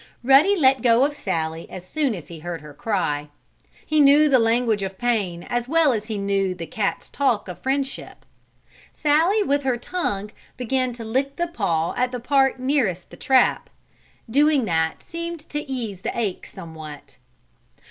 Ruddy let go of Sallie as soon as he heard her cry. He knew the language of pain as well as he knew the cat's talk of friendship. Sallie, with her tongue, began to lick the paw at the part nearest the trap. Doing that seemed to ease the ache somewhat.